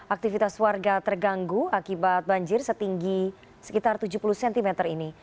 aktivitas warga terganggu akibat banjir setinggi sekitar tujuh puluh cm ini